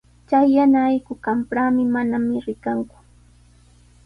Chay yana allqu qamprami, manami rikanku.